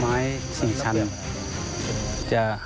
ไม้ชิงชัน